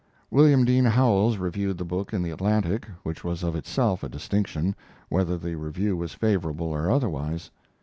William Dean Howells reviewed the book in the Atlantic, which was of itself a distinction, whether the review was favorable or otherwise.